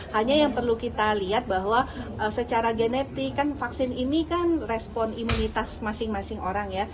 hanya yang perlu kita lihat bahwa secara genetik kan vaksin ini kan respon imunitas masing masing orang ya